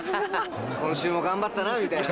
今週も頑張ったなみたいな。